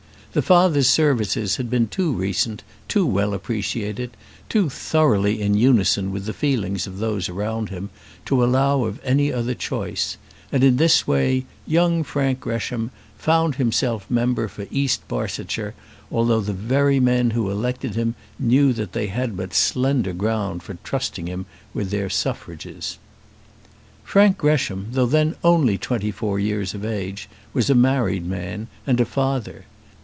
The father's services had been too recent, too well appreciated, too thoroughly in unison with the feelings of those around him to allow of any other choice; and in this way young Frank Gresham found himself member for East Barsetshire, although the very men who elected him knew that they had but slender ground for trusting him with their suffrages. Frank Gresham, though then only twenty four years of age, was a married man, and a father.